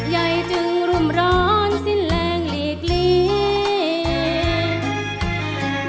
ใยจึงรุ่มร้อนสิ้นแรงลีกลีก